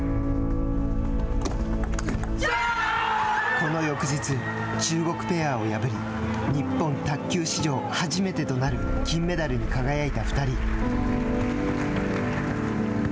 この翌日中国ペアを破り日本卓球史上初めてとなる金メダルに輝いた２人。